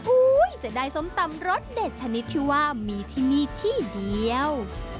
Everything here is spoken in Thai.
จะได้ส้มตำรสเด็ดชนิดที่ว่ามีที่นี่ที่เดียว